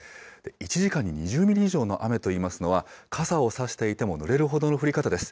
１時間に２０ミリ以上の雨といいますのは、傘を差していてもぬれるほどの降り方です。